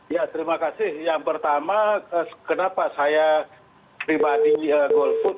ya terima kasih yang pertama kenapa saya pribadi golput